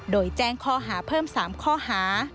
โดยแจ้งข้อหาเพิ่ม๓ข้อหา